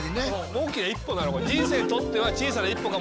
大きな一歩なの。